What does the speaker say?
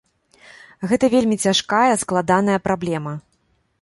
Гэта вельмі цяжкая, складаная праблема.